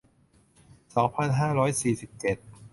สองพันห้าร้อยสี่สิบเจ็ด